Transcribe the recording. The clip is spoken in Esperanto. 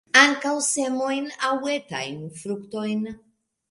Ankaŭ semojn aŭ etajn fruktojn.